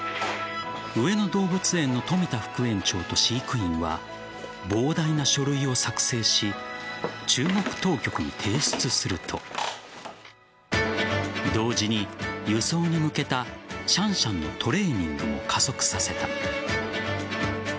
上野動物園の冨田副園長と飼育員は膨大な書類を作成し中国当局に提出すると同時に、輸送に向けたシャンシャンのトレーニングも加速させた。